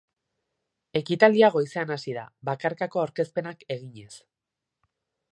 Ekitaldia goizean hasi da, bakarkako aurkezpenak eginez.